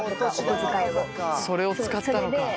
それを使ったのか。